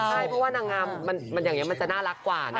ใช่เพราะว่านางงามมันอย่างนี้มันจะน่ารักกว่านะ